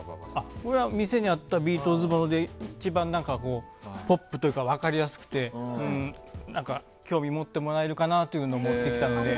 これは店にあったビートルズもので一番ポップというか分かりやすくて興味を持ってもらえるかなというものを持ってきたので。